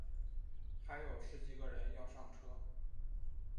还有十几个人要上车